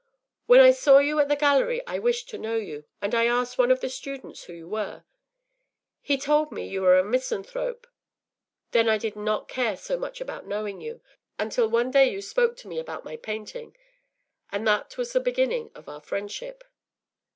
When I saw you at the gallery I wished to know you, and I asked one of the students who you were. He told me you were a misanthrope. Then I did not care so much about knowing you, until one day you spoke to me about my painting, and that was the beginning of our friendship.